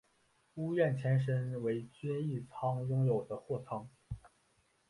屋苑前身为均益仓拥有的货仓。